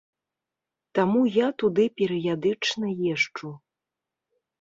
Таму я туды перыядычна езджу.